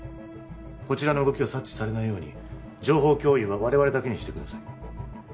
こちらの動きを察知されないように情報共有は我々だけにしてください